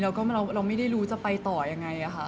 เราก็เราไม่ได้รู้จะไปต่อยังไง